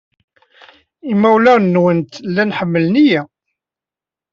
Imawlan-nwent llan ḥemmlen-iyi.